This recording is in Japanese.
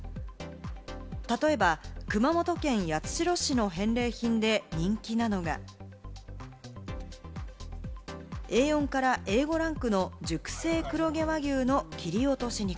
例えば、熊本県八代市の返礼品で人気なのが、Ａ４からＡ５ランクの熟成黒毛和牛の切り落とし肉。